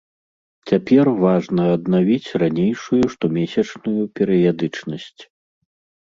Цяпер важна аднавіць ранейшую штомесячную перыядычнасць.